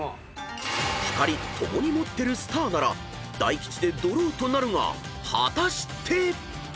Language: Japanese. ［２人共に持ってるスターなら大吉でＤＲＡＷとなるが果たして⁉］